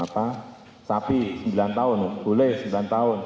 tapi sapi sembilan tahun boleh sembilan tahun